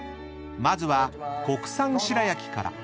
［まずは国産白焼から］